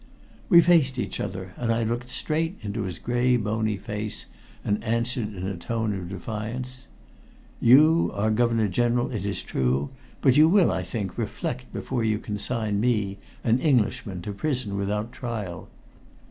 We faced each other, and I looked straight into his gray, bony face, and answered in a tone of defiance: "You are Governor General, it is true, but you will, I think, reflect before you consign me, an Englishman, to prison without trial.